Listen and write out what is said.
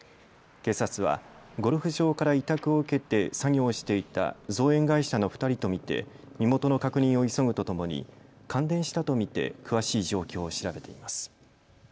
警察はゴルフ場から委託を受けて作業していた造園会社の２人と見て身元の確認を急ぐとともに感電したと見て詳しい状況を調べています。